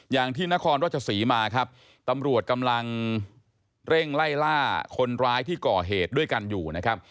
อย่างที่นครราชศรีมาครับตำรวจกำลังเร่งไล่ล่าคนร้ายที่ก่อเหตุด้วยกันอยู่นะครับ